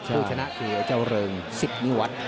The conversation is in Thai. คู่ชนะคือเจ้าเริงสิบนิวัตร